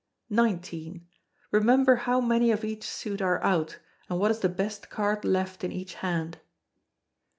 xix. Remember how many of each suit are out, and what is the best card left in each hand.